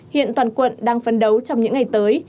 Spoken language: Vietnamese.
hiện toàn quận đang phấn đấu trong những ngày tới